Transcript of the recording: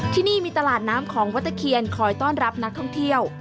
ที่นี่มีตลาดน้ำของวัดตะเคียนคอยต้อนรับนักท่องเที่ยว